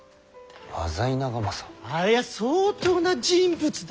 ありゃ相当な人物だわ！